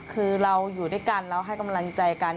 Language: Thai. คือเราอยู่ด้วยกันเราให้กำลังใจกัน